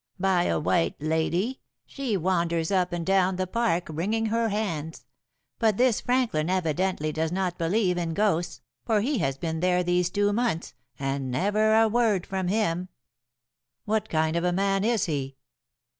"By a white lady. She wanders up and down the park, wringing her hands. But this Franklin evidently does not believe in ghosts, for he has been there these two months, and never a word from him." "What kind of a man is he?"